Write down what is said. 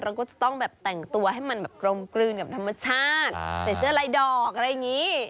เราก็จะต้องแบบแต่งตัวให้มันแบบกลมกลืนกับธรรมชาติใส่เสื้อลายดอกอะไรอย่างนี้